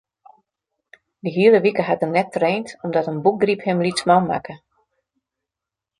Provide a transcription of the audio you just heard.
De hiele wike hat er net traind omdat in bûkgryp him lytsman makke.